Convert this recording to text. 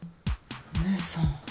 お義姉さん。